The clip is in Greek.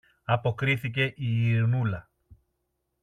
αποκρίθηκε η Ειρηνούλα.